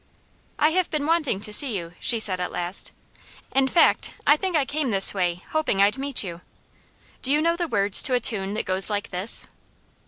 "I have been wanting to see you," she said at last. "In fact I think I came this way hoping I'd meet you. Do you know the words to a tune that goes like this?"